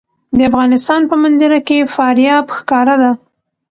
د افغانستان په منظره کې فاریاب ښکاره ده.